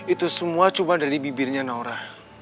itu semua cuman dari bibirnya aura